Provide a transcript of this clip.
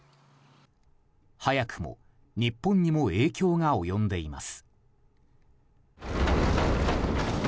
早くも日本にも影響が及んでいます。